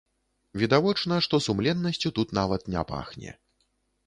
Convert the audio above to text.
Відавочна, што сумленнасцю тут нават не пахне.